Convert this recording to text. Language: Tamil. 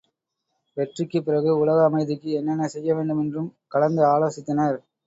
வெற்றிக்குப் பிறகு, உலக அமைதிக்கு என்னென்ன செய்யவேண்டுமென்றும் கலந்து ஆலோசித்தனர்.